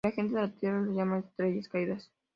La gente de la tierra los llama estrellas caídas.